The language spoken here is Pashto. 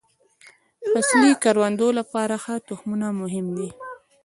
د فصلي کروندو لپاره ښه تخمونه مهم دي.